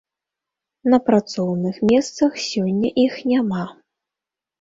На працоўных месцах сёння іх няма.